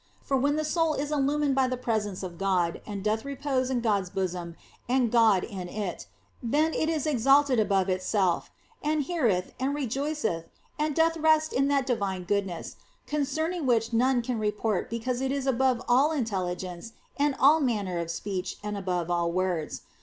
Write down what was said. For when the soul is illumined by the pre sence of God and doth repose in God s bosom and God in it, then is it exalted above itself and heareth and rejoiceth and doth rest in that divine goodness, concerning which none can report because it is above all intelligence and all manner of speech and above all words.